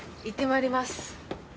行ってまいります。